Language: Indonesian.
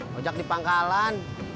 rojak di pangkalan